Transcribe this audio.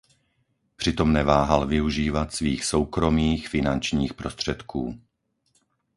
Přitom neváhal využívat svých soukromých finančních prostředků.